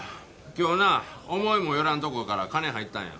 今日な思いもよらんとこから金入ったんや。